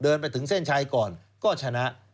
เดินไปถึงเส้นชัยก่อนก็ชนะ